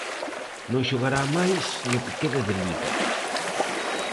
Non xogará máis no que queda de Liga.